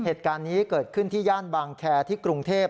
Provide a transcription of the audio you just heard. เหตุการณ์นี้เกิดขึ้นที่ย่านบางแคร์ที่กรุงเทพ